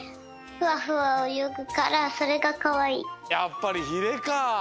やっぱりひれか！